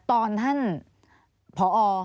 ตอนท่านผอ